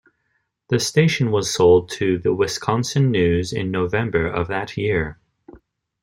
The station was sold to The Wisconsin News in November of that year.